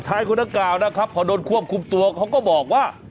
คนนักกล่าวนะครับพอโดนควบคุมตัวเขาก็บอกว่า